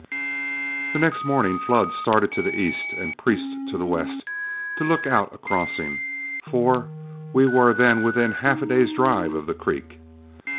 The next morning Flood started to the east and Priest to the west to look out a crossing, for we were then within half a day's drive of the creek.